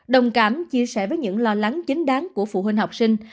đồng cảm chia sẻ với những lo lắng chính đáng của phụ huynh học sinh